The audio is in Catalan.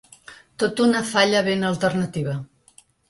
Tot una falla ben alternativa.